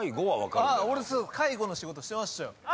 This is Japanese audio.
俺介護の仕事してましたよ。